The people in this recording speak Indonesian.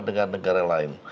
dengan negara lain